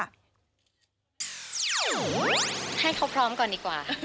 ให้เขาพร้อมก่อนดีกว่า